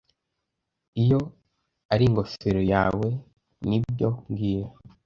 Iyo ari ingofero yawe, nibyo mbwira